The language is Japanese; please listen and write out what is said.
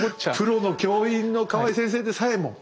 プロの教員の河合先生でさえも。